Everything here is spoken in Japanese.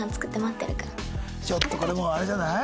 ちょっとこれあれじゃない？